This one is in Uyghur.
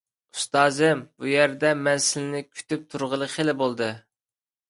ئۇستازىم، بۇ يەردە مەن سىلىنى كۈتۈپ تۇرغىلى خېلى بولدى.